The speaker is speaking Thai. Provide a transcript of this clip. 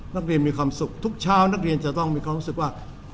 มีความสุขทุกเช้านักเรียนจะต้องมีความรู้สึกว่า